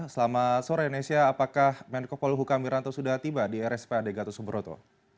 selamat sore indonesia apakah menkopol hukam wiranto sudah tiba di rspad gatusuburoto